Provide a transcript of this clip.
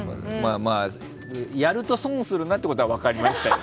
やると損するなってことは分かりました。